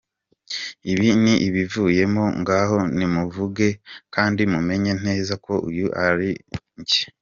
Ibi ni ibimvuyemo, ngaho nimubivuge kandi mumenye neza ko uyu ari njye.